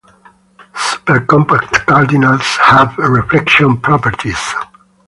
Supercompact cardinals have reflection properties.